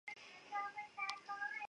诺维昂奥普雷。